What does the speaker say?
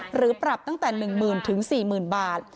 หรือปรับตั้งแต่๑๐๐๐๔๐๐๐บาท